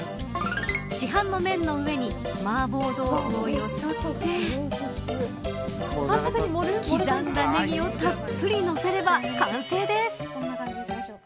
市販の麺の上にマーボー豆腐をよそって刻んだネギをたっぷりのせれば完成です。